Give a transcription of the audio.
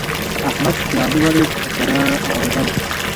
احمد چې علي وليد؛ سره غوړېدل.